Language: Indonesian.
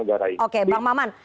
baik oke mbak maman